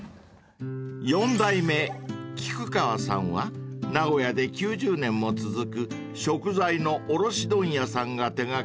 ［四代目菊川さんは名古屋で９０年も続く食材の卸問屋さんが手掛けるウナギ屋さん］